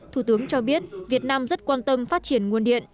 thủ tướng cho biết việt nam rất quan tâm phát triển nguồn điện